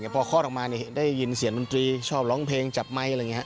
พอคลอดออกมาได้ยินเสียงดนตรีชอบร้องเพลงจับไมค์อะไรอย่างนี้